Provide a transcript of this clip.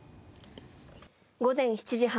午前７時半